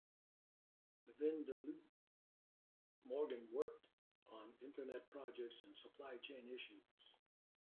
Within Deloitte, Morgan worked on Internet projects and supply-chain issues.